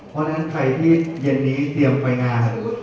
เพราะฉะนั้นใครที่เย็นนี้เตรียมไปงาน